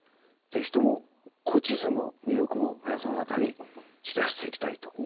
ぜひとも古地図の魅力も皆様方に知らせていきたいと思っております。